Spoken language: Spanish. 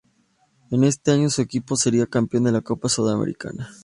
En ese año su equipo seria campeón de la Copa Sudamericana.